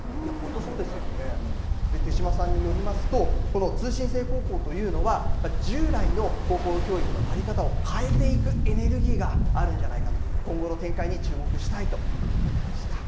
手島さんによりますと通信制高校というのは従来の高校教育の在り方を変えていくエネルギーがあるんじゃないかと今後の展開に注目したいということでした。